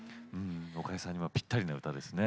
おかゆさんにぴったりな歌ですね。